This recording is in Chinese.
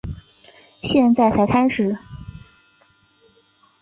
现在才开始